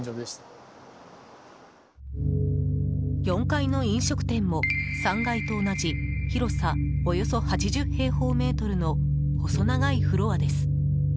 ４階の飲食店も、３階と同じ広さおよそ８０平方メートルの細長いフロアです。